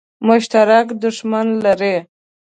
مشترک دښمن لري.